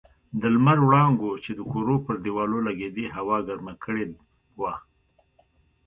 د لمر وړانګو چې د کورو پر دېوالو لګېدې هوا ګرمه کړې وه.